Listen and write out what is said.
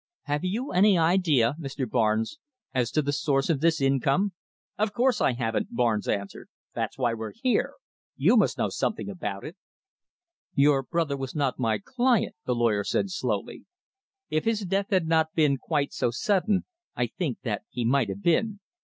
"Have you any idea, Mr. Barnes," he asked, "as to the source of this income?" "Of course I haven't," Barnes answered. "That's why we're here. You must know something about it." "Your brother was not my client," the lawyer said slowly. "If his death had not been quite so sudden, I think that he might have been.